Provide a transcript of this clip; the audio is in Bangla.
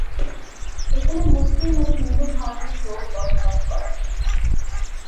এখানে মুসলিম ও হিন্দু ধর্মের লোক বসবাস করে।